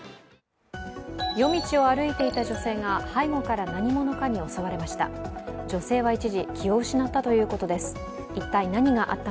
夜道を歩いていた女性が背後から何者かに襲われました。